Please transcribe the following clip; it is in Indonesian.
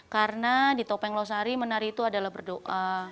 karena di topeng losari menari itu adalah berdoa